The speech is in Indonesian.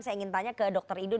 saya ingin tanya ke dr idul